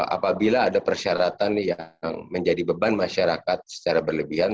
apabila ada persyaratan yang menjadi beban masyarakat secara berlebihan